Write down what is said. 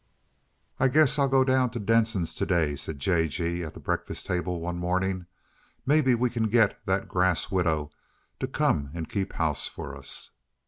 "I guess I'll go down to Denson's to day," said J. G. at the breakfast table one morning. "Maybe we can get that grass widow to come and keep house for us."